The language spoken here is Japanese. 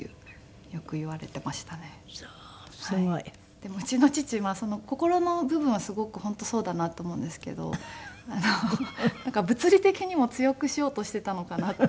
でもうちの父心の部分はすごく本当そうだなと思うんですけど物理的にも強くしようとしていたのかなっていう。